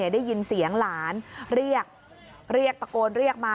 ได้ยินเสียงหลานเรียกเรียกตะโกนเรียกมา